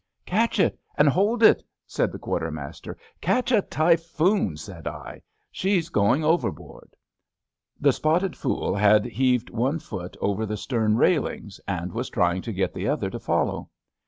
* Catch it, and hold it I ' said the quartermaster. * Catch a typhoon,' said I. * She's going overboard.' The A MENAGEEIE ABOARD M epotted fool had heaved one foot over the Btern railings and was trying to get the other to follow.